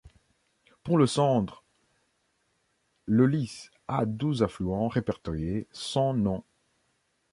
Pour le Sandre, le Lys a douze affluents répertoriés, sans nom.